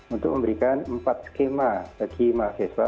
untuk memberikan empat skema bagi mahasiswa